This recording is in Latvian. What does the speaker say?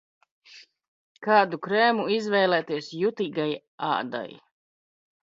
Kādu krēmu izvēlēties jutīgai ādai?